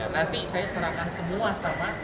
nanti saya serahkan semua sama